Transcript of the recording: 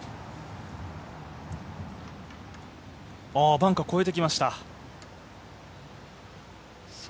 バンカー越えてきました。